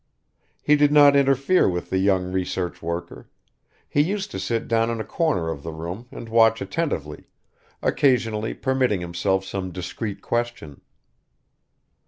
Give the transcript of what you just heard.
He did not interfere with the young research worker; he used to sit down in a corner of the room and watch attentively, occasionally permitting himself some discreet question.